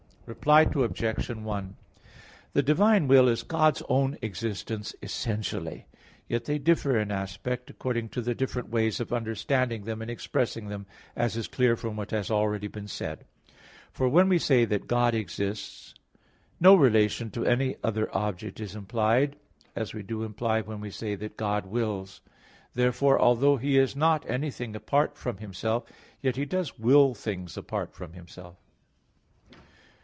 Reply Obj. 1: The divine will is God's own existence essentially, yet they differ in aspect, according to the different ways of understanding them and expressing them, as is clear from what has already been said (Q. 13, A. 4). For when we say that God exists, no relation to any other object is implied, as we do imply when we say that God wills. Therefore, although He is not anything apart from Himself, yet He does will things apart from Himself.